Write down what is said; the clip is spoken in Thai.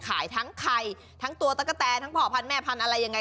ขายทั้งไข่ทั้งตัวตะกะแตทั้งพ่อพันธแม่พันธุ์อะไรยังไง